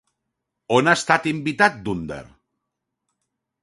On ha estat invitat Dündar?